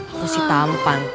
aku sih tampan